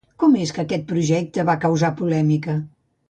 Com és que aquest projecte va causar polèmica?